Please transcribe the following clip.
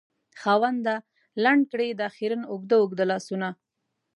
خاونده! لنډ کړې دا خیرن اوږده اوږده لاسونه